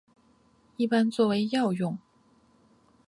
一般作为药用。